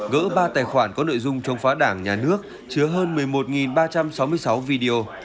gỡ ba tài khoản có nội dung chống phá đảng nhà nước chứa hơn một mươi một ba trăm sáu mươi sáu video